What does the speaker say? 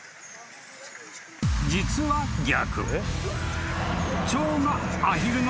［実は逆］